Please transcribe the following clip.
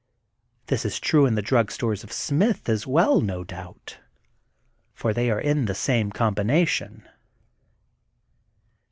This is true in the Drug Stores of Smith as well, no doubt, for they are in the same combination.